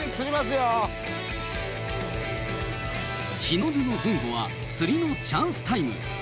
日の出の前後は釣りのチャンスタイム。